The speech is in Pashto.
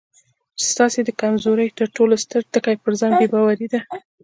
چې ستاسې د کمزورۍ تر ټولو ستر ټکی پر ځان بې باوري ده.